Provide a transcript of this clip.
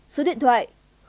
số điện thoại chín trăm linh chín